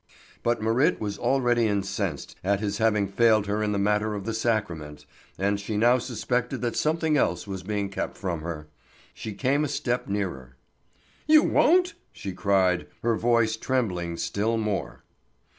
But Marit was already incensed at his having failed her in the matter of the sacrament, and she now suspected that something else was being kept from her. She came a step nearer. "You won't?" she cried, her voice trembling still more.